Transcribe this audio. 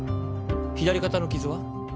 左肩の傷は？